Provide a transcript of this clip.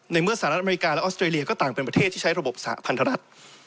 เมื่อสหรัฐอเมริกาและออสเตรเลียก็ต่างเป็นประเทศที่ใช้ระบบสหพันธรัฐ